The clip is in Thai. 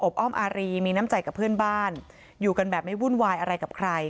อ้อมอารีมีน้ำใจกับเพื่อนบ้านอยู่กันแบบไม่วุ่นวายอะไรกับใคร